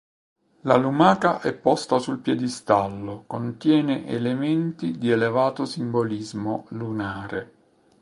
La lumaca è posta sul piedistallo contiene elementi di elevato simbolismo lunare.